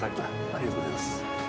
ありがとうございます。